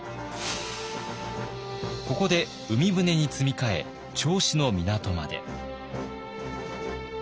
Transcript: ここで海船に積み替え銚子の港まで。